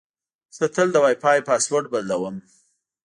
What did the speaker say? زه تل د وای فای پاسورډ بدلوم.